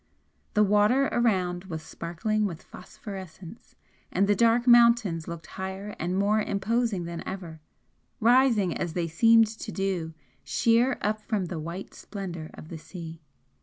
The water around was sparkling with phosphorescence and the dark mountains looked higher and more imposing than ever, rising as they seemed to do sheer up from the white splendour of the sea.